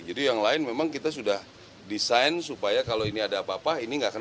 jadi yang lain memang kita sudah desain supaya kalau ini ada apa apa ini tidak kena